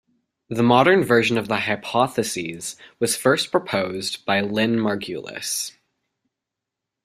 The modern version of the hypothesis was first proposed by Lynn Margulis.